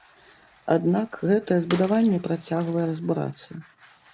Аднак гэтае збудаванне працягвае разбурацца.